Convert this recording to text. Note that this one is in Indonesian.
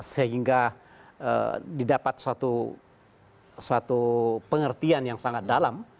sehingga didapat suatu pengertian yang sangat dalam